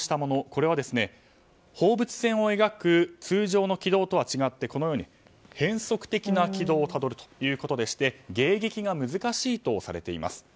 これは放物線を描く通常の軌道とは違ってこのように変則的な軌道をたどるということでして迎撃が難しいとされています。